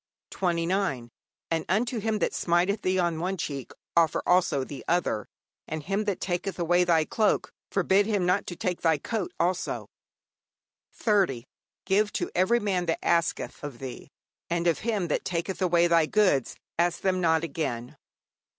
'29. And unto him that smiteth thee on the one cheek offer also the other; and him that taketh away thy cloke forbid him not to take thy coat also. '30. Give to every man that asketh of thee; and of him that taketh away thy goods ask them not again.'